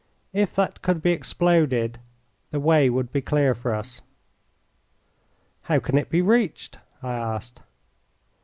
If that could be exploded the way would be clear for us." "How can it be reached?" I asked.